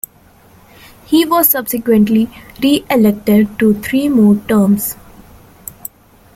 He was subsequently re-elected to three more terms.